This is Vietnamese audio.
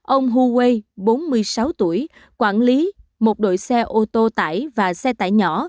ông hu wei bốn mươi sáu tuổi quản lý một đội xe ô tô tải và xe tải nhỏ